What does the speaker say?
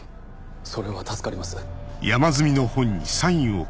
それは助かります。